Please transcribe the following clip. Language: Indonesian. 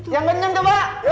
yang benceng coba